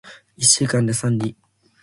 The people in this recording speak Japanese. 一週間で三里